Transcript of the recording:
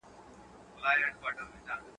له مخلوقه يې جلا وه رواجونه.